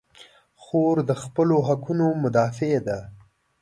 خور د خپلو حقونو مدافع ده.